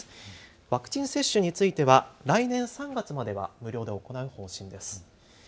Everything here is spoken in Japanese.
ワクチン接種については来年３月までは無料で行う方針です。